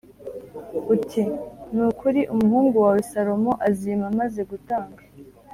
uti: Ni ukuri, umuhungu wawe Salomo azima maze gutanga.